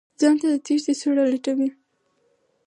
ځان ته د تېښتې سوړه لټوي.